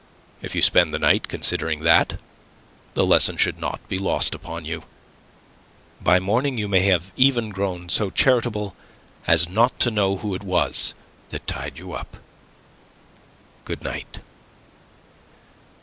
If you spend the night considering that, the lesson should not be lost upon you. By morning you may even have grown so charitable as not to know who it was that tied you up. Good night."